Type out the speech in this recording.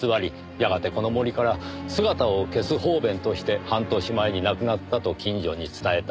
やがてこの森から姿を消す方便として半年前に亡くなったと近所に伝えた。